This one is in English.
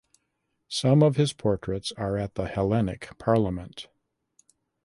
Some of his portraits are at the Hellenic Parliament.